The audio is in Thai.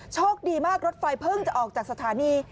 โชคดีมากรถไฟเพิ่งจะออกจากสถานี